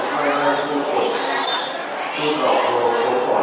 การพุทธศักดาลัยเป็นภูมิหลายการพุทธศักดาลัยเป็นภูมิหลาย